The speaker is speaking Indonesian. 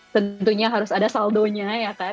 tentunya harus ada saldonya ya kan